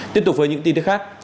tiếp tục với những tin khác